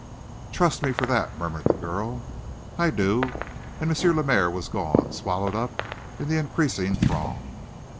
"Trust me for that," murmured the girl. "I do." And M. Lemaire was gone, swallowed up in the increasing throng.